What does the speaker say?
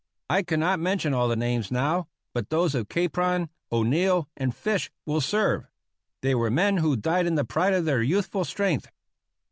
I cannot mention all the names now, but those of Capron, O'Neill, and Fish will serve. They were men who died in the pride of their youthful strength.